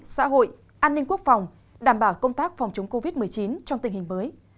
xã hội an ninh quốc phòng đảm bảo công tác phòng chống covid một mươi chín trong tình hình mới